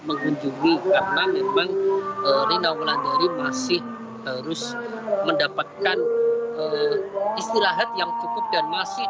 mengunjungi karena memang rina wulandari masih harus mendapatkan istirahat yang cukup dan masih